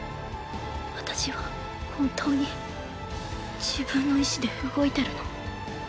私は本当に自分の意志で動いてるの？